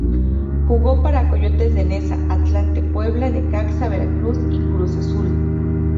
Jugó para Coyotes de Neza, Atlante, Puebla, Necaxa, Veracruz y Cruz Azul.